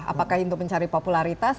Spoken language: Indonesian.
apakah untuk mencari popularitas